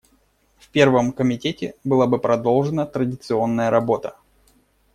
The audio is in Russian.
В Первом комитете была бы продолжена традиционная работа.